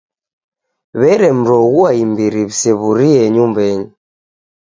W'eremroghua imbiri w'isew'urie nyumbenyi.